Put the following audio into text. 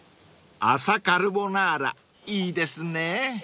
［朝カルボナーラいいですね］